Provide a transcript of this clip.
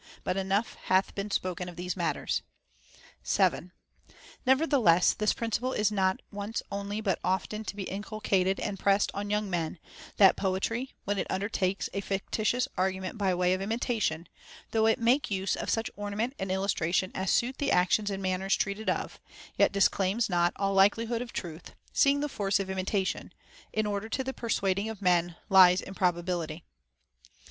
But enough hath been spoken of these matters. 7. Nevertheless, this principle is not once only but often to be inculcated and pressed on young men, that poetry, when it undertakes a fictitious argument by way of imita tion, though it make use of such ornament and illustration as suit the actions and manners treated of, yet disclaims not all likelihood of truth, seeing the force of imitation, in order to the persuading of men, lies in probability.